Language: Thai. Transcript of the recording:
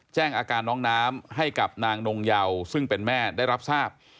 แจ้งอาการน้องน้ำให้กับนางนงเยาซึ่งเป็นแม่ได้รับทราบ